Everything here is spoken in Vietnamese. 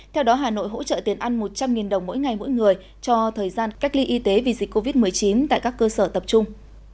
theo đó hà nội hỗ trợ tiền ăn một trăm linh đồng mỗi ngày mỗi người cho thời gian cách ly y tế vì dịch covid một mươi chín tại các cơ sở tập trung